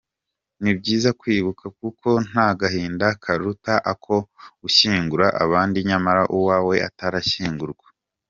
Ni byiza kwibuka kuko nta gahinda karuta ako gushyingura abandi nyamara uwawe atarashyingurwa”.